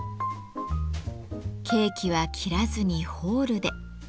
ケーキは切らずにホールで。